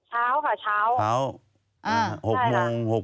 เช้าหรือเย็นเช้าค่ะเช้า